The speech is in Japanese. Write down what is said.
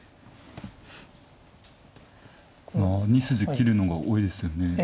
２筋切るのが多いですよね。